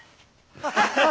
ハハハハ。